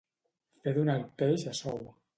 Fer donar el peix a sou.